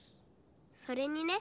それにね